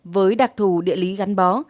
với đặc thù địa lý gắn bó